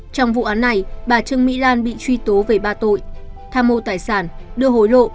trong vụ án này bà trương mỹ lan bị truy tố về ba tội tham mô tài sản đưa hối lộ